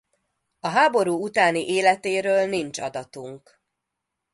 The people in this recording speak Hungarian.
A háború utáni életéről nincs adatunk.